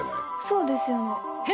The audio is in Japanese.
そうですよね。